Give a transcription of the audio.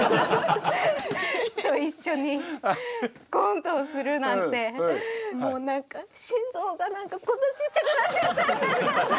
と一緒にコントをするなんてもう何か心臓が何かこんなちっちゃくなっちゃって。